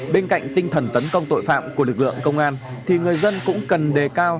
bên cạnh tinh thần tấn công tội phạm của lực lượng công an thì người dân cũng cần đề cao